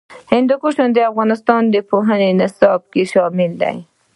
هندوکش د افغانستان د پوهنې نصاب کې شامل دي.